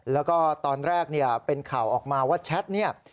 แล้วก็ตอนแรกเนี่ยเป็นข่าวออกมาว่าแชทเนี่ย